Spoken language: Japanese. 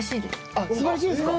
あっ素晴らしいですか？